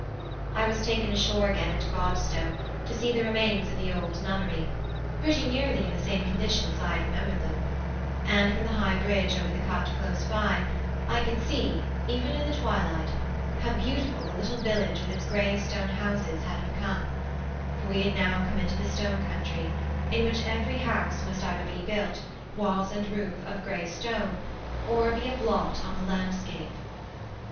I was taken ashore again at Godstow, to see the remains of the old nunnery, pretty nearly in the same condition as I had remembered them; and from the high bridge over the cut close by, I could see, even in the twilight, how beautiful the little village with its grey stone houses had become; for we had now come into the stone country, in which every house must be either built, walls and roof, of grey stone or be a blot on the landscape.